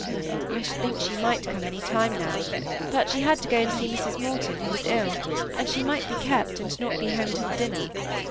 "I should think she might come any time now; but she had to go and see Mrs Morton, who was ill, and she might be kept, and not be home till dinner.